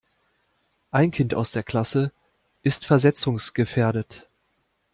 Ein Kind aus der Klasse ist versetzungsgefährdet.